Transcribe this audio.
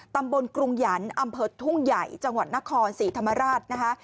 กรุงหยันต์อำเภอทุ่งใหญ่จังหวัดนครศรีธรรมราชนะคะ